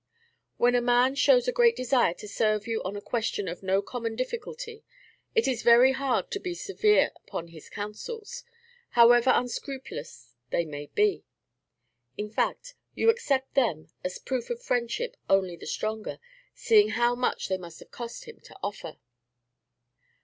When a man shows a great desire to serve you on a question of no common difficulty, it is very hard to be severe upon his counsels, however unscrupulous they may be. In fact, you accept them as proofs of friendship only the stronger, seeing how much they must have cost him to offer."